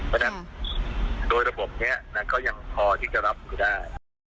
เพราะฉะนั้นโดยระบบนี้ก็ยังพอที่จะรับอยู่ได้